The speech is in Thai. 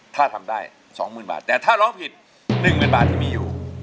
ถ้าทำได้๒๐๐๐บาทแต่ถ้าร้องผิด๑๐๐๐บาทที่มีอยู่